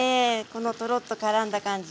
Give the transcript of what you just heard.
このトロッとからんだ感じ。